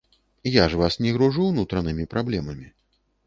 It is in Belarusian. Я ж вас не гружу ўнутранымі праблемамі.